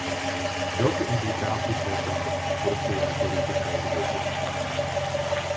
Welke implicaties heeft dat voor het zojuist door u beschreven beleid?